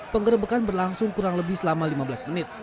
penggerbekan berlangsung kurang lebih selama lima belas menit